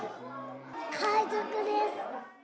海賊です。